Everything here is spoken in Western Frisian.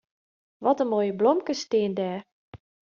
Wat in moaie blomkes steane dêr.